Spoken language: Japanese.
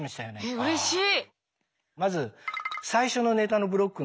えっうれしい。